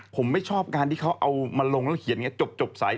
ผมไม่ชอบการที่เขาเอามาลงแล้วเขียนอย่างนี้จบสาย